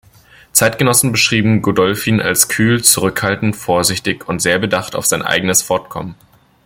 Zeitgenossen beschrieben Godolphin als kühl, zurückhaltend, vorsichtig und sehr bedacht auf sein eigenes Fortkommen.